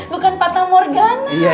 bukan patah morgana